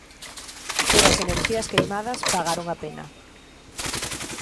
Pero as enerxías queimadas pagaron a pena.